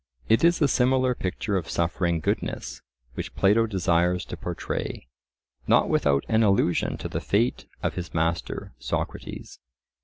It is a similar picture of suffering goodness which Plato desires to pourtray, not without an allusion to the fate of his master Socrates.